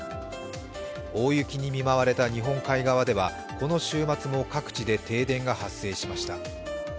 大雪に見舞われた日本海側ではこの週末も各地で停電が発生しました。